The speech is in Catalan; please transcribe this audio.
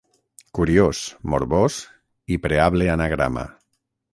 Curiós, morbós i preable anagrama.